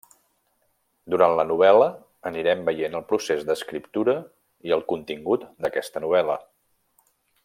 Durant la novel·la anirem veient el procés d'escriptura i el contingut d'aquesta novel·la.